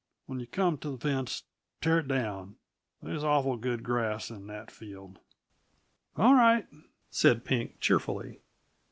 When you come t' the fence, tear it down. They's awful good grass in that field!" "All right," said Pink cheerfully.